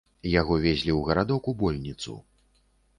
Яго везлі ў гарадок, у больніцу.